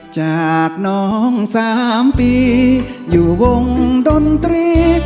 จากน้อง๓ปีอยู่วงดนตรี